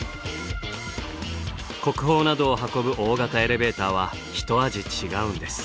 国宝などを運ぶ大型エレベーターは一味違うんです。